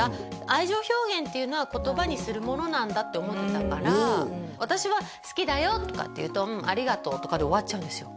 愛情表現っていうのは言葉にするものなんだって思ってたから私は好きだよとかって言うとありがとうとかで終わっちゃうんですよ